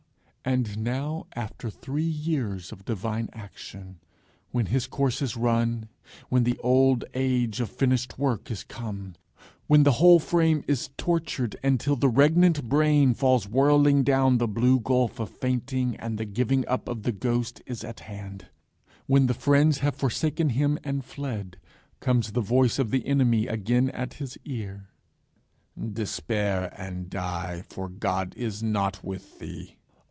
And now, after three years of divine action, when his course is run, when the old age of finished work is come, when the whole frame is tortured until the regnant brain falls whirling down the blue gulf of fainting, and the giving up of the ghost is at hand, when the friends have forsaken him and fled, comes the voice of the enemy again at his ear: "Despair and die, for God is not with thee.